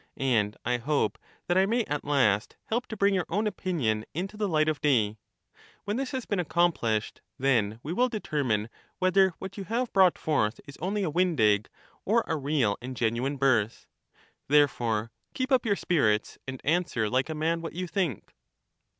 And I hope that I may at last help to bring your own opinion into the light of day : when this has been accomplished, then we will determine whether what you have brought forth is only a wind egg or a real and genuine birth. Therefore, keep up your spirits, and answer like a man what you think.